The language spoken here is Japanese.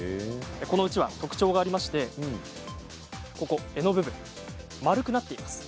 このうちわ特徴がありまして柄の部分、丸くなっています。